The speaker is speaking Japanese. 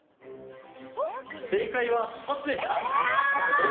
正解はシャツでした。